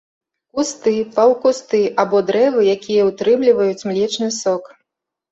Кусты, паўкусты або дрэвы, якія ўтрымліваюць млечны сок.